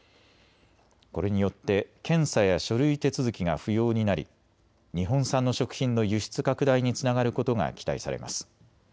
これによって検査や書類手続きが不要になり日本産の食品の輸出拡大につながることが期待されます。